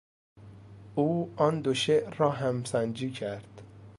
او آن دو شعر را همسنجی کرد.